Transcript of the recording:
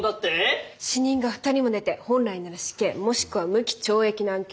死人が２人も出て本来なら死刑もしくは無期懲役の案件。